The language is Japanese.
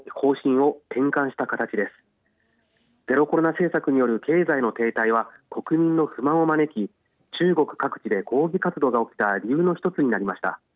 政策による経済の停滞は国民の不満を招き中国各地で抗議活動が起きた理由の１つになりました。